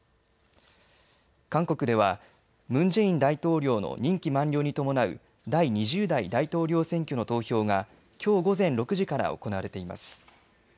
韓国ではムン・ジェイン大統領の任期満了に伴う第２０代大統領選挙の投票がきょう午前６時から行われています。